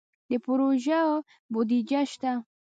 د پروژو بودیجه شته؟